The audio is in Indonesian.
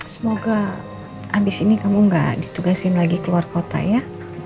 semoga abis ini kamu gak ditugasin lagi keluar kota ya